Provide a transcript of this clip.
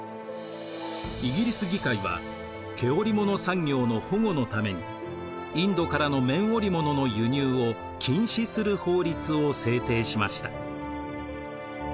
イギリス議会は毛織物産業の保護のためにインドからの綿織物の輸入を禁止する法律を制定しました。